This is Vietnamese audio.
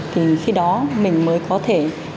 thì khi đó mình mới có thể